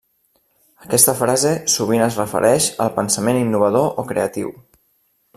Aquesta frase sovint es refereix al pensament innovador o creatiu.